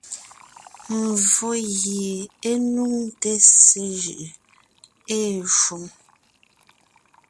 Mvfó gie é nuŋte ssé jʉʼʉ ée shwoŋ.